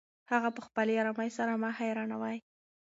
هغه په خپلې ارامۍ سره ما حیرانوي.